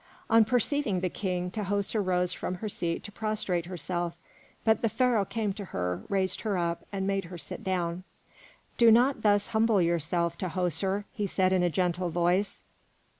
On perceiving the King, Tahoser rose from her seat to prostrate herself, but the Pharaoh came to her, raised her up, and made her sit down. "Do not thus humble yourself, Tahoser," he said in a gentle voice.